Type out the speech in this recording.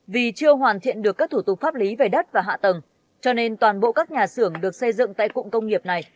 vì chưa hoàn thiện được các thủ tục pháp lý về đất và hạ tầng cho nên toàn bộ các nhà xưởng được xây dựng tại cụng công nghiệp này